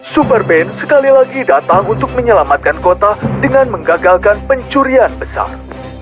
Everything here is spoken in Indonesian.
super ben sekali lagi datang untuk menyelamatkan kota dengan menggagalkan pencurian besar